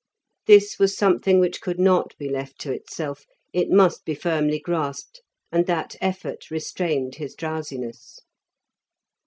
This was something which could not be left to itself; it must be firmly grasped, and that effort restrained his drowsiness.